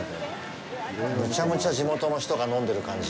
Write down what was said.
むちゃむちゃ地元の人が飲んでる感じ。